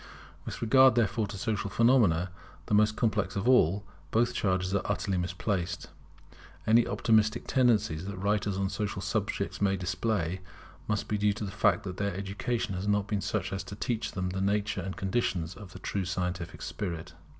With regard, therefore, to social phenomena, the most complex of all, both charges are utterly misplaced. Any optimistic tendencies that writers on social subjects may display, must be due to the fact that their education has not been such as to teach them the nature and conditions of the true scientific spirit.